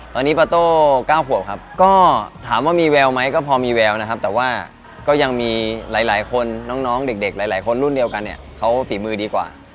ตอนนี้ปาโต้๙ขวบครับก็ถามว่ามีแววไหมก็พอมีแววนะครับแต่ว่าก็ยังมีหลายคนน้องเด็กหลายคนรุ่นเดียวกันเนี่ยเขาฝีมือดีกว่า